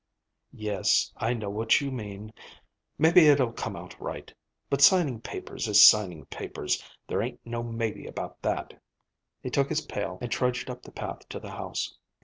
"Yes, I know what you mean. Maybe it'll come out right. But signing papers is signing papers. There ain't no maybe about that." He took his pail and trudged up the path to the house.